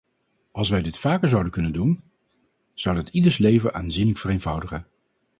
Als wij dit vaker zouden kunnen doen, zou dat ieders leven aanzienlijk vereenvoudigen.